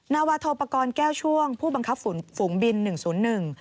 นาวาโทปกรแก้วช่วงผู้บังคับฝูงบิน๑๐๑